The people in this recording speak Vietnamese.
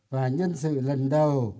và nhân sự lần đầu